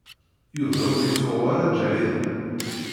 Yuba ur iṭurru ara Ǧahida.